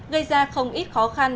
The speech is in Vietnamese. gây ra không ít khó khăn